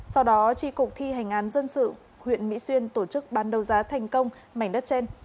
sau đó tri cục thi hành án dân sự huyện mỹ xuyên tổ chức bán đấu giá thành công mảnh đất trên